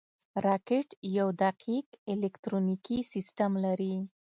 راکټ یو دقیق الکترونیکي سیستم لري